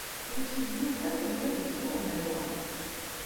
Nekk d Yuba nebda deg yiwen n lweqt.